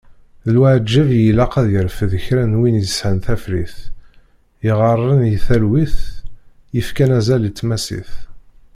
D lwaǧeb i ilaq ad yerfed kra n win yesεan tafrit, yeɣɣaren i talwit, yefkan azal i tmasit.